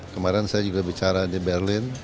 kemarin saya juga bicara di berlin